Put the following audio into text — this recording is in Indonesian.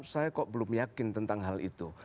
saya kok belum yakin tentang hal itu